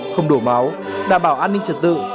thấy sang trầu